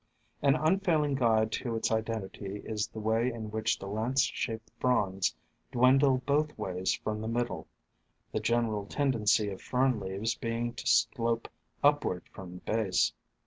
An unfailing guide to its identity is the way in which the lance shaped fronds dwindle both ways from the middle, the general tendency of Fern leaves being to slope upward from the base.